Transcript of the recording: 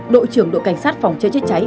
đội trưởng đội cảnh sát phòng chế chế cháy